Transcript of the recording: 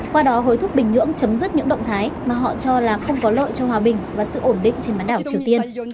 qua đó hối thúc bình nhưỡng chấm dứt những động thái mà họ cho là không có lợi cho hòa bình và sự ổn định trên bán đảo triều tiên